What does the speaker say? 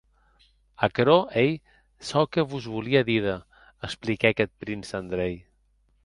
Aquerò ei çò que vos volia díder, expliquèc eth prince Andrei.